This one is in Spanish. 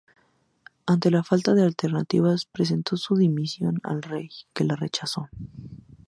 Ante la falta de alternativas, presentó su dimisión al rey, que la rechazó.